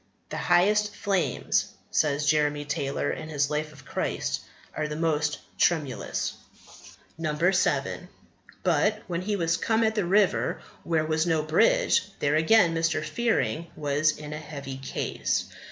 "The highest flames," says Jeremy Taylor in his Life of Christ, "are the most tremulous." 7. "But when he was come at the river where was no bridge, there, again, Mr. Fearing was in a heavy case.